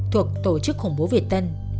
thuộc tổ chức khủng bố việt tân